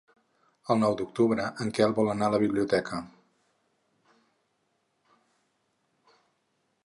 El nou d'octubre en Quel vol anar a la biblioteca.